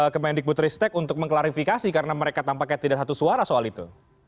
kemendikbutristek untuk mengklarifikasi karena mereka tampaknya tidak satu suara soal itu